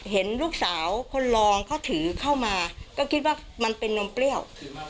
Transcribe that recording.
เห็นลูกสาวคนรองเขาถือเข้ามาก็คิดว่ามันเป็นนมเปรี้ยว